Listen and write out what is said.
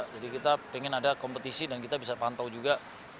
jadi kita ingin ada kompetisi dan kita bisa pantau juga